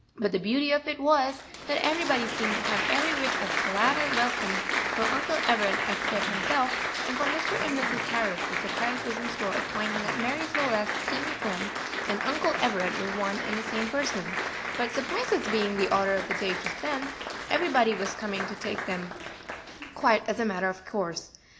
But the beauty of it was, that everybody seemed to have every whit as glad a welcome for Uncle Everett as Ted himself; and for Mr. and Mrs. Harris the surprise was in store of finding that Marie Celeste's steamer friend and Uncle Everett were one and the same person; but surprises being the order of the day just then, everybody was coming to take them quite as a matter of course.